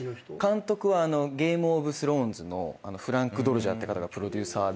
監督は『ゲーム・オブ・スローンズ』のフランク・ドルジャーって方がプロデューサーで。